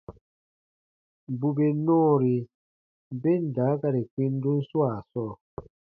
Bù bè nɔɔri ben daakari kpindun swaa sɔɔ,